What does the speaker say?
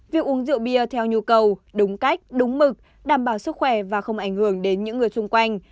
việc uống rượu bia theo nhu cầu đúng cách đúng mực đảm bảo sức khỏe và không ảnh hưởng đến những người xung quanh